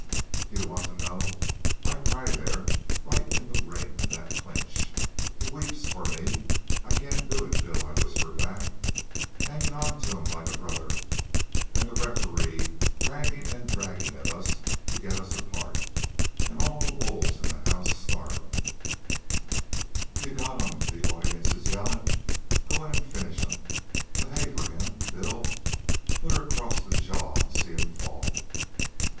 "D'ye want to know? I cry there, right in the ring, in that clinch. The weeps for me. 'I can't do it, Bill,' I whisper back, hangin' onto'm like a brother an' the referee ragin' an' draggin' at us to get us apart, an' all the wolves in the house snarlin'. "'You got 'm!' the audience is yellin'. 'Go in an' finish 'm!' 'The hay for him, Bill; put her across to the jaw an' see 'm fall!'